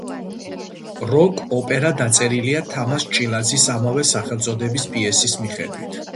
როკ-ოპერა დაწერილია თამაზ ჭილაძის ამავე სახელწოდების პიესის მიხედვით.